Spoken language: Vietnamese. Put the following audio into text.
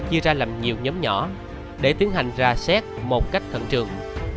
chia ra làm nhiều nhóm nhỏ để tiến hành ra xét một cách thận trường